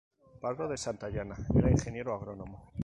Pardo de Santayana era ingeniero agrónomo.